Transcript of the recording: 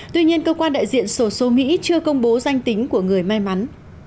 tuy nhiên cơ quan đại diện sổ số mỹ chưa công bố danh tính của người may mắn